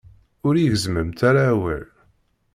Ur yi-gezzmemt ara awal.